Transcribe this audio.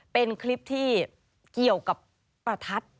เป็นคลิปที่เกี่ยวกับประทัด